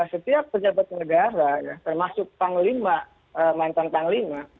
setiap pejabat negara termasuk panglima mantan panglima